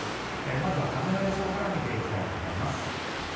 まずは風の予想から見ていきたいと思います。